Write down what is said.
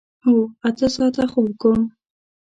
هو، اته ساعته خوب کوم